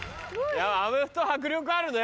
アメフト迫力あるね。